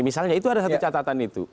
misalnya itu ada satu catatan itu